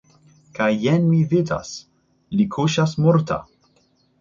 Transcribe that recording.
Kaj jen mi vidas – li kuŝas morta!